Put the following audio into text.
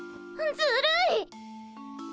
ずるい？